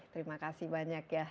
terima kasih banyak ya